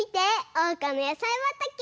おうかのやさいばたけ！